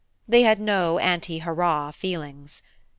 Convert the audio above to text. They had no anti hurrah feelings.